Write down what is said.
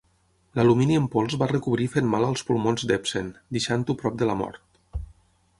L'alumini en pols va recobrir fent mal als pulmons de Ebsen, deixant-ho prop de la mort.